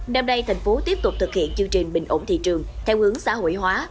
năm nay tp hcm tiếp tục thực hiện chương trình bình ổn thị trường theo hướng xã hội hóa